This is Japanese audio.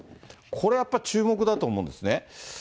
これ、やっぱり注目だと思うんですね。